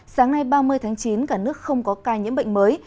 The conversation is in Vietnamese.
sáng nay ba mươi tháng chín cả nước không có ca nhiễm bệnh mới